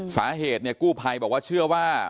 สาเหตุเนี่ยกู้ภัยบอกว่าเชื่อว่า